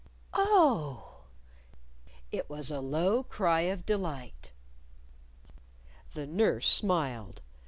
"Oh!" It was a low cry of delight. The nurse smiled.